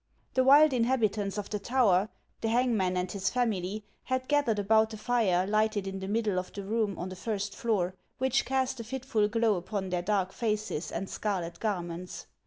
The wild inhabitants of the tower, the hangman and his family, had gathered about the fire lighted in the middle of the room on the first floor, which cast a fitful glow upon their dark faces and scarlet garments.